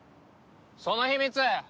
その秘密